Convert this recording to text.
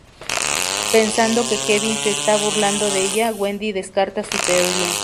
Pensando que Kevin se está burlando de ella, Wendy descarta su teoría.